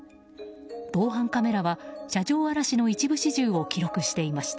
防犯カメラは車上荒らしの一部始終を記録していました。